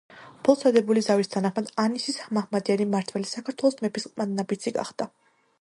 ბოლოს, დადებული ზავის თანახმად, ანისის მაჰმადიანი მმართველი საქართველოს მეფის ყმადნაფიცი გახდა.